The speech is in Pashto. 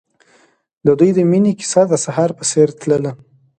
د دوی د مینې کیسه د سهار په څېر تلله.